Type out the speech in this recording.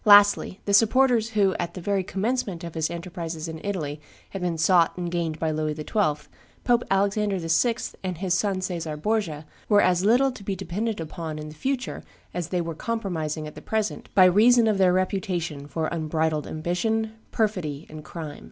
Lastly the supporters who, at the very commencement of his enterprises in Italy, had been sought and gained by Louis XII., Pope Alexander VI. and his son Caesar Borgia, were as little to be depended upon in the future as they were compromising at the present by reason of their reputation for unbridled ambition, perfidy, and crime.